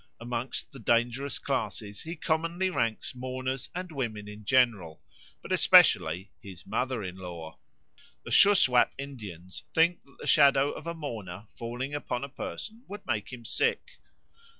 Amongst the dangerous classes he commonly ranks mourners and women in general, but especially his mother in law. The Shuswap Indians think that the shadow of a mourner falling upon a person would make him sick.